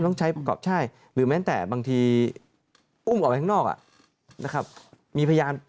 ต้องใช้ประกอบใช่หรือแม้แต่บางทีอุ้มออกไปทางนอก